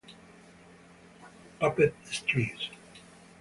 Puppet Strings